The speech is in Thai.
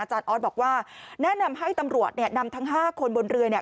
อาจารย์อ๊อกบอกว่าแนะนำให้ตำรวจนำทั้ง๕คนบนเรือ